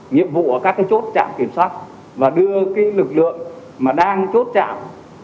nghiệp vụ ở các chốt chạm kiểm soát và đưa lực lượng đang chốt chạm